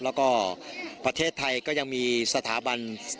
แล้วก็ประเทศไทยก็ยังมีสถาบัน